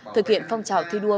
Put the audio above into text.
thực hiện phong trào thi đua